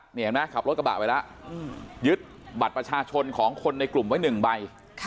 นี่เห็นไหมขับรถกระบะไปแล้วยึดบัตรประชาชนของคนในกลุ่มไว้๑ใบ